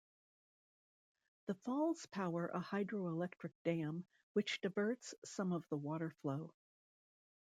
The falls power a hydro-electric dam, which diverts some of the water flow.